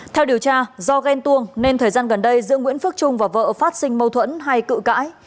theo điều tra do ghen tuông nên thời gian gần đây giữa nguyễn phước trung và vợ phát sinh mâu thuẫn hay cự cãi